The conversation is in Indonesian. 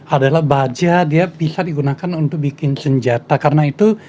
adalah baja dia bisa digunakan untuk bikin senjata karena itu